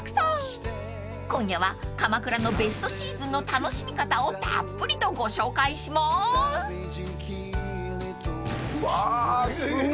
［今夜は鎌倉のベストシーズンの楽しみ方をたっぷりとご紹介します］わすごい。